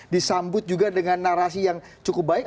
disambut juga dengan narasi yang cukup baik